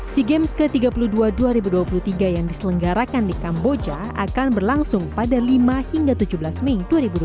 sea games ke tiga puluh dua dua ribu dua puluh tiga yang diselenggarakan di kamboja akan berlangsung pada lima hingga tujuh belas mei dua ribu dua puluh tiga